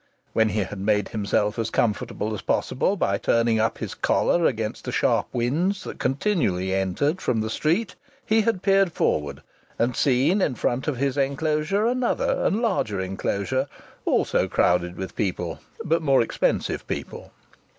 When he had made himself as comfortable as possible by turning up his collar against the sharp winds that continually entered from the street, he had peered forward, and seen in front of his enclosure another and larger enclosure also crowded with people, but more expensive people.